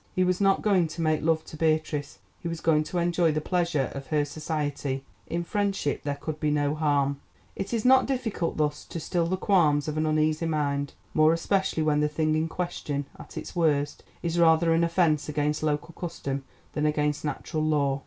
He was not going to make love to Beatrice, he was going to enjoy the pleasure of her society. In friendship there could be no harm. It is not difficult thus to still the qualms of an uneasy mind, more especially when the thing in question at its worst is rather an offence against local custom than against natural law.